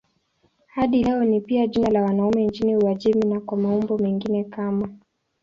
Hadi leo ni pia jina la wanaume nchini Uajemi na kwa maumbo mengine kama